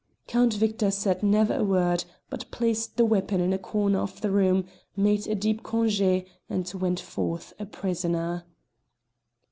Count Victor said never a word, but placed the weapon in a corner of the room, made a deep congé, and went forth a prisoner.